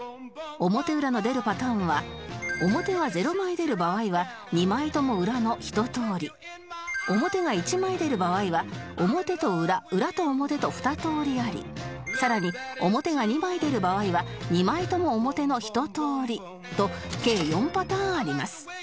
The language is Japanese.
表裏の出るパターンは表が０枚出る場合は２枚とも裏の１通り表が１枚出る場合は表と裏裏と表と２通りありさらに表が２枚出る場合は２枚とも表の１通りと計４パターンあります